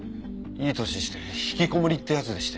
いい年して引きこもりってやつでして。